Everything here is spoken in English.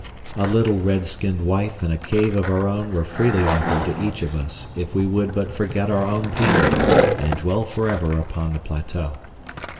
A little red skinned wife and a cave of our own were freely offered to each of us if we would but forget our own people and dwell forever upon the plateau.